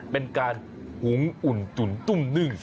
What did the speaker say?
เป็นการหุงอุ่นจุ่นตุ้มนึ่ง